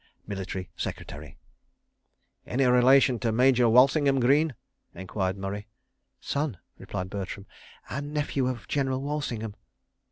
_ Military Secretary. "Any relation to Major Walsingham Greene?" enquired Murray. "Son," replied Bertram, "and nephew of General Walsingham."